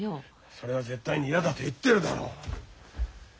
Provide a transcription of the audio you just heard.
それは絶対に嫌だと言ってるだろう。